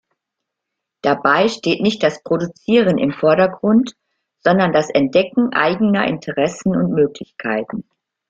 Dabei steht nicht das Produzieren im Vordergrund, sondern das Entdecken eigener Interessen und Möglichkeiten.